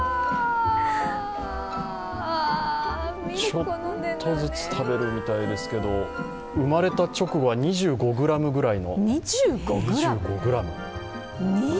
ちょっとずつ食べるみたいですけど生まれた直後は２５ｇぐらい。